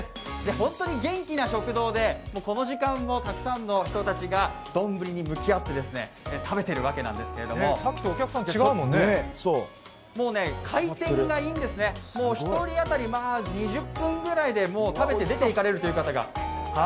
本当に元気な食堂でこの時間もたくさんの人たちが丼に向き合って食べているわけなんですけれども、もう回転がいいんですね、１人当たり２０分ぐらいで食べて出て行かれるという方が。